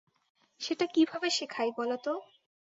সেটা কীভাবে শেখাই বলো তো?